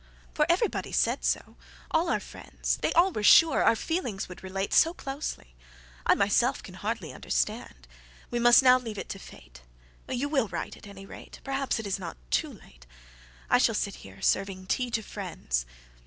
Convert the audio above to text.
"For everybody said so, all our friends, They all were sure our feelings would relateSo closely! I myself can hardly understand. We must leave it now to fate. You will write, at any rate. Perhaps it is not too late.I shall sit here, serving tea to friends."